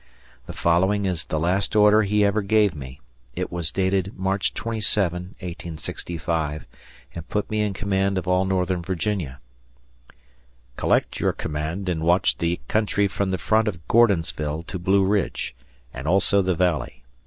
The following is the last order he ever gave me. It was dated March 27, 1865, and put me in command of all northern Virginia: Collect your command and watch the country from the front of Gordonsville to Blue Ridge, and also the Valley.